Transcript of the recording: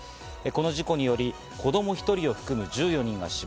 この事故により子供１人を含む１４人が死亡。